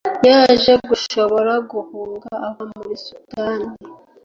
yaje gushobora guhunga ava muri sudan